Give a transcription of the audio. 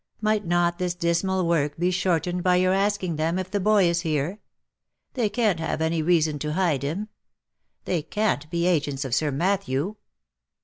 Might not this dismal work be shortened by your asking them if the boy is here ? They can't have any reason to hide him. They can't be agents of Sir Matthew."